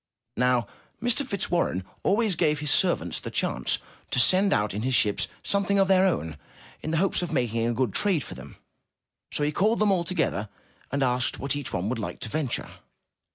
Now, Mr. Fitzwarren always gave his servants the chance to send out in his ships something of their own, in the hopes of making a good trade for them, so he called them all together, and asked what each would like to venture.